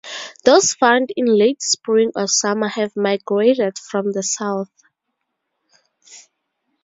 Those found in late spring or summer have migrated from the south.